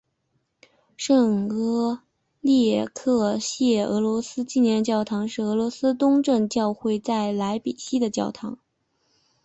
圣阿列克谢俄罗斯纪念教堂是俄罗斯东正教会在莱比锡的教堂。